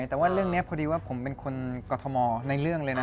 แต่ว่าเรื่องนี้พอดีว่าผมเป็นคนกรทมในเรื่องเลยนะ